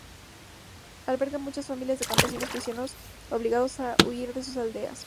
Alberga a muchas familias de campesinos cristianos obligados a huir de sus aldeas.